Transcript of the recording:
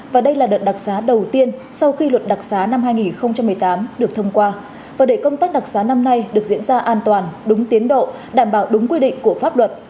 và đây là đợt đặc giá đầu tiên sau khi luật đặc giá năm hai nghìn một mươi tám được thông qua và để công tác đặc xá năm nay được diễn ra an toàn đúng tiến độ đảm bảo đúng quy định của pháp luật